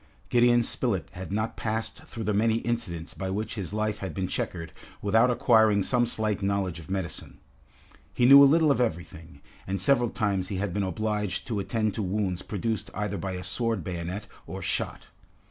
Gideon Spilett had not passed through the many incidents by which his life had been checkered without acquiring some slight knowledge of medicine. He knew a little of everything, and several times he had been obliged to attend to wounds produced either by a sword bayonet or shot.